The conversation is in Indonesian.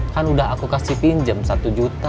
kan udah aku kasih pinjam satu juta